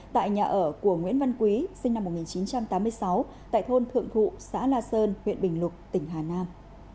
tại nhà ở của nguyễn văn quý sinh năm một nghìn chín trăm tám mươi sáu tại thôn thượng thụ xã la sơn huyện bình lục tỉnh hà nam